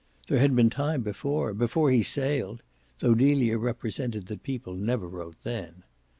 There had been time before before he sailed; though Delia represented that people never wrote then.